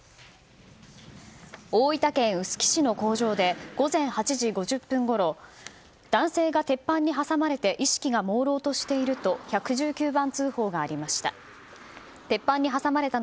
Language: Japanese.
大分県臼杵市の工場で午前８時５０分ごろ男性が鉄板に挟まれて意識がもうろうとしていると１１９番通報がありました。